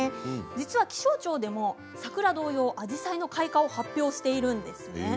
実は気象庁でも桜同様アジサイの開花を発表しています。